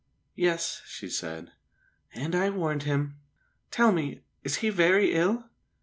"Yes," she said. "And I warned him. Tell me, is he very ill?"